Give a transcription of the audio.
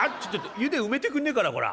湯でうめてくんねえかなこら。